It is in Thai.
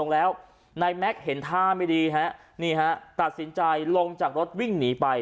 แล้วนายแม็กซ์เห็นท่าไม่ดีฮะนี่ฮะตัดสินใจลงจากรถวิ่งหนีไป